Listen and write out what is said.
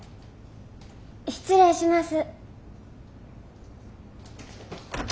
失礼します。